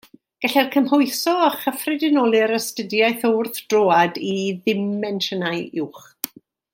Gellir cymhwyso a chyffredinoli'r astudiaeth o wrthdroad i ddimensiynau uwch.